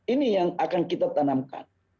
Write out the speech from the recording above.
ini yang akan kita tanamkan